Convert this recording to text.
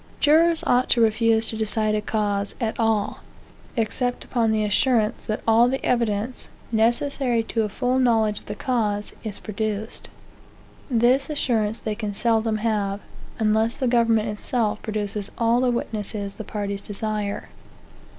Jurors ought to refuse to decide a cause at all, except upon the assurance that all the evidence, necessary to a full knowledge of the cause, is produced. This assurance they can seldom have, unless the government itself produces all the witnesses the parties desire.